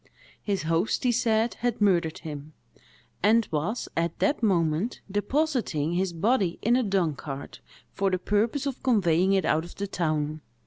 His host, he said, had murdered him, and was, at that moment, depositing his body in a dung cart, for the purpose of conveying it out of the town.